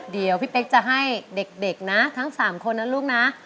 เดี๋ยวพี่เป๊กจะให้เด็กนะทั้ง๓คนนะลูกนะ